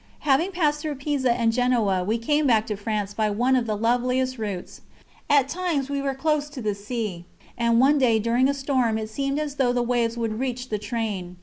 Having passed through Pisa and Genoa we came back to France by one of the loveliest routes. At times we were close to the sea, and one day during a storm it seemed as though the waves would reach the train.